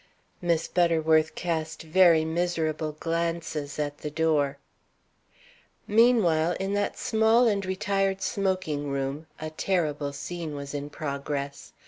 Miss Butterworth cast very miserable glances at the door. Meanwhile in that small and retired smoking room a terrible scene was in progress.